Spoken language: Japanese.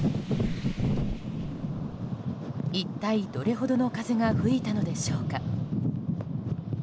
一体どれほどの風が吹いたのでしょうか。